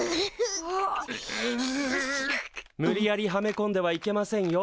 無理やりはめこんではいけませんよ。